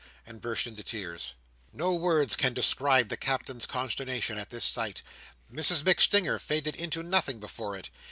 and burst into tears. No words can describe the Captain's consternation at this sight. Mrs MacStinger faded into nothing before it.